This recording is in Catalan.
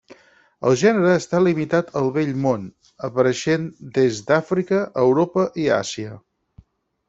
El gènere està limitat al Vell Món, apareixent des d'Àfrica, Europa i Àsia.